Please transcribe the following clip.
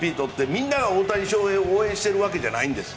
みんなが大谷翔平を応援しているわけじゃないんです。